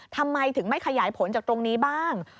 ทำไมถึงไม่ขยายผลจากตรงนี้บ้าง